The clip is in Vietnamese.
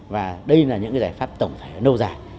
và đây là những cái giải pháp tổng thể lâu dài